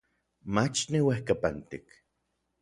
Mach niuejkapantik.